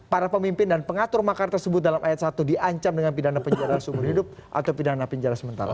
para pemimpin dan pengatur makar tersebut dalam ayat satu diancam dengan pidana penjara seumur hidup atau pidana penjara sementara